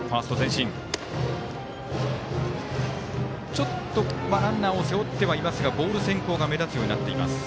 ちょっとランナーを背負ってはいますがボール先行が目立つようになっています。